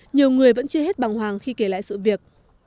nhiều người vẫn chưa hết bằng hoàng khi kể lại sự việc